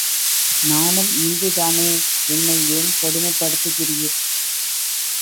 நானும் இந்து தானே, என்னை ஏன் கொடுமைப்படுத்துகிறீர்?